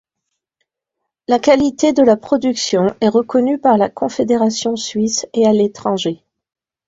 La qualité de la production est reconnue par la Confédération suisse et à l'étranger.